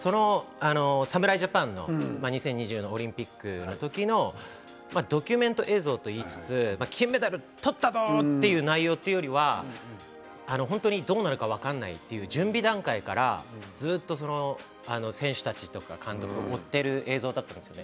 侍ジャパンの２０２０のオリンピックの時のドキュメント映像と言いつつ金メダル取ったぞという内容というよりは本当にどうなるか分からないという準備段階からずっと選手たちとか監督を追っている映像だったんです。